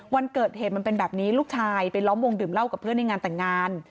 วันเกิดเหตุมันเป็นแบบนี้ลูกชายไปล้อมวงดื่มเหล้ากับเพื่อนในงานแต่งงาน